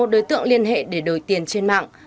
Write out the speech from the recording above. đối tượng liên hệ để đổi tiền trên mạng